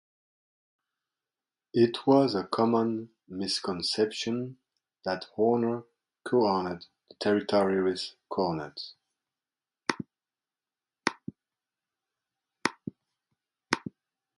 It was a common misconception that Horner co-owned the territory with Cornette.